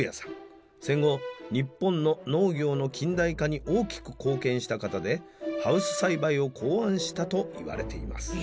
戦後日本の農業の近代化に大きく貢献した方でハウス栽培を考案したと言われています。